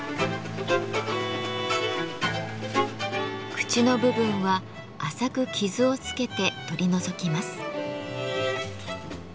口の部分は浅く傷をつけて取り除きます。